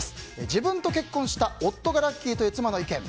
自分と結婚した夫がラッキーという妻の意見。